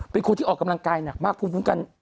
เป็นคนที่ออกกำลังกายหนักมากภูมิคุ้มกัน